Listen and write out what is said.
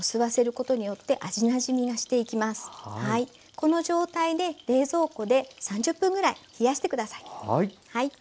この状態で冷蔵庫で３０分ぐらい冷やして下さい。